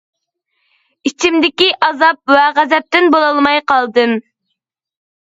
ئىچىمدىكى ئازاب ۋە غەزەپتىن بولالماي قالدىم.